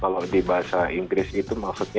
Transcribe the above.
kalau di bahasa inggris itu maksudnya